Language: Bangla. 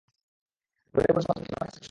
ধনী পুরুষ মাত্রই তোমার কাছে আকর্ষণীয়।